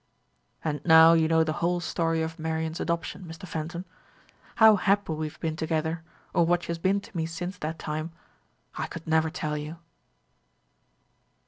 And now you know the whole story of Marian's adoption, Mr. Fenton. How happy we have been together, or what she has been to me since that time, I could never tell you."